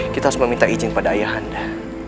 kita harus meminta izin pada ayah anda